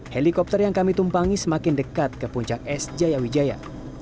helikopter yang kami tumpangi semakin dekat ke puncak es jaya wijaya